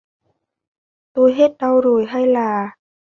Tôi hết đau rồi hay là